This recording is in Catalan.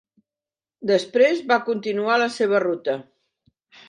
Després va continuar la seva ruta.